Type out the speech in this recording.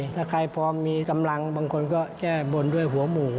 ถ้าใครพอมีกำลังบางคนก็แก้บนด้วยหัวหมู